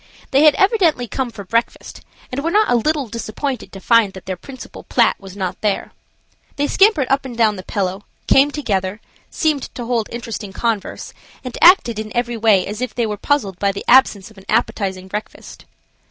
They had evidently come for breakfast, and were not a little disappointed to find that their principal plat was not there. They scampered up and down the pillow, came together, seemed to hold interesting converse, and acted in every way as if they were puzzled by the absence of an appetizing breakfast.